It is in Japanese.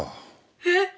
えっ？